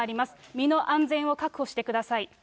身の安全を確保してください。